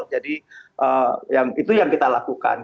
jadi itu yang kita lakukan